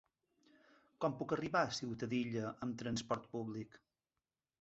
Com puc arribar a Ciutadilla amb trasport públic?